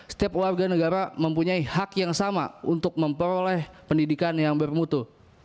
setiap warga negara mempunyai hak yang sama untuk memperoleh pendidikan yang bermutu